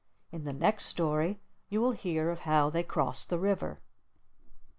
In the next story you will hear of how they crossed the river.